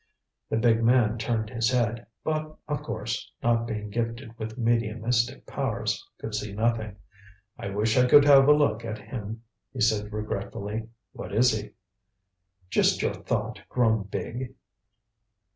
The big man turned his head, but, of course, not being gifted with mediumistic powers, could see nothing. "I wish I could have a look at him," he said regretfully. "What is he?" "Just your thought grown big."